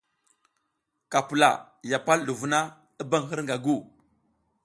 Ka pula, ya pal ɗu vuna i bam hirƞga gu.